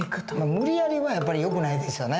無理やりはやっぱりよくないですよね。